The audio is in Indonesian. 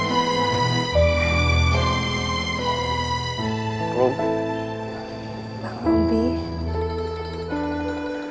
estratégia di media khusus